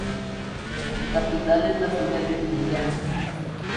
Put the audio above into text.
Su capital es la ciudad de Chillán.